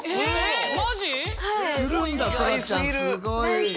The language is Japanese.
すごい。